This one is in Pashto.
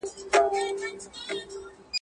دا زخم تازه دی د خدنګ خبري نه کوو.